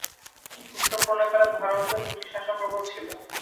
ঐ পুস্তক-প্রণয়নকালে ভারতে ব্রিটিশ শাসন প্রবল ছিল।